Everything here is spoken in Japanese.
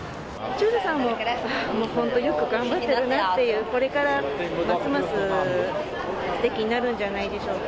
中車さんも、本当よく頑張っているなっていう、これからますますすてきになるんじゃないでしょうか。